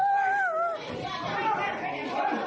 มาแล้วอย่าอย่าอย่าอย่าอย่า